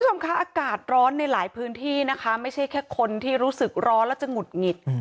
คุณผู้ชมคะอากาศร้อนในหลายพื้นที่นะคะไม่ใช่แค่คนที่รู้สึกร้อนและจะหงุดหงิด